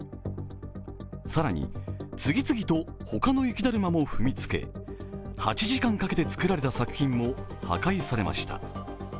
更に、次々と他の雪だるまも踏みつけ、８時間かけて作られた作品も破壊されました。